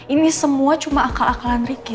ini semua cuma akal akalan ricky